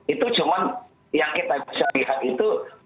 itu cuma yang kita bisa lihat itu